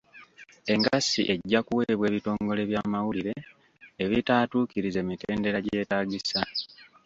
Engassi ejja kuweebwa ebitongole by'amawulire ebitaatuukirize mitendera gyetaagisa.